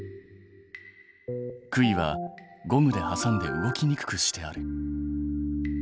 杭はゴムではさんで動きにくくしてある。